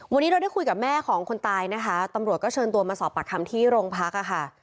วันนี้เราได้คุยกับแม่ของคนตายนะคะตำรวจก็เชิญตัวมาสอบปากคำที่โรงพักค่ะ